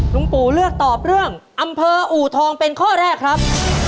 ลุงปู่เลือกตอบเรื่องอำเภออูทองเป็นข้อแรกครับ